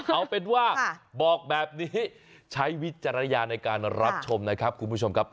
เอาเป็นว่าบอกแบบนี้ใช้วิจารณญาณในการรับชมนะครับคุณผู้ชมครับ